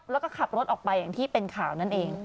แล้วก็ขับรถออกไปอย่างที่เป็นข่าวนั่นเอง